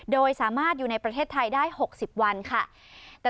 โดยสามารถอยู่ในประเทศไทยได้๖๐วันค่ะ